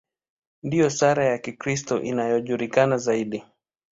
Ndiyo sala ya Kikristo inayojulikana zaidi.